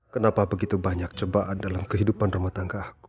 kenapa begitu banyak cobaan dalam kehidupan rumah tangga